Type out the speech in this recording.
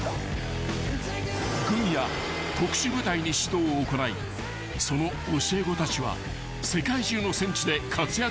［軍や特殊部隊に指導を行いその教え子たちは世界中の戦地で活躍しているという］